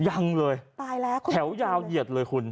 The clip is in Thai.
ยังเลยแถวยาวเหยียดเลยคุณ